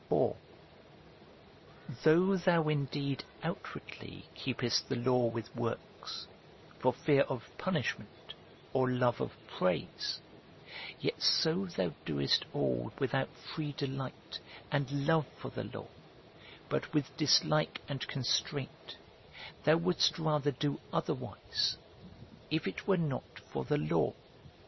For, though thou indeed outwardly keepest the law with works, for fear of punishment or love of praise, yet so thou doest all without free delight and love for the law, but with dislike and constraint ; thou wouldst rather do otherwise, if it were not for the law.